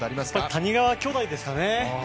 谷川兄弟ですかね。